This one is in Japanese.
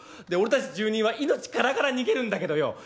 で俺たち住人は命からがら逃げるんだけどよ